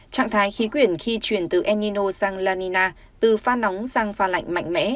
trạng thái khí quyển khi chuyển từ enino sang lanina từ pha nóng sang pha lạnh mạnh mẽ